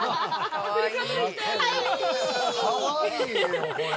◆かわいいよ、これ。